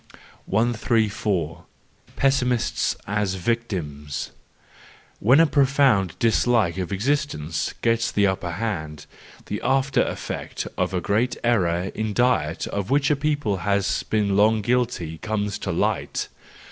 134 . Pessimists as Victims .—When a profound dislike of existence gets the upper hand, the after effect of a great error in diet of which a people has been long guilty comes to light.